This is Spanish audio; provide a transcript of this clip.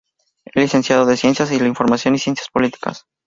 Es licenciado en Ciencias de la información y Ciencias Políticas.